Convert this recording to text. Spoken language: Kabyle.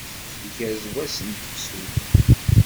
Igerrez wass d tafsut.